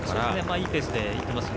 いいペースで行っています。